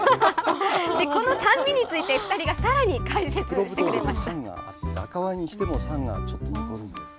この酸味について２人がさらに解説してくれました。